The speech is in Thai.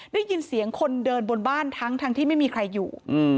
ได้ยินเสียงคนเดินบนบ้านทั้งที่ไม่มีใครอยู่